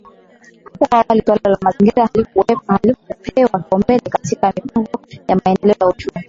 Hapo awali suala la mazingira halikupewa kipaumbele katika mipango ya maendeleo ya uchumi